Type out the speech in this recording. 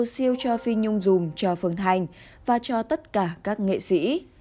siêu cho phi nhung dùng cho phương thành và cho tất cả các nghệ sĩ